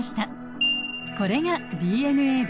これがＤＮＡです。